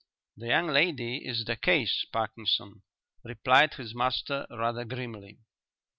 "The young lady is the case, Parkinson," replied his master rather grimly.